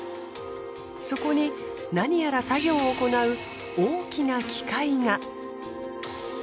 そこに何やら作業を行う大きな機械が。